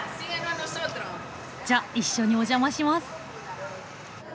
じゃ一緒にお邪魔します。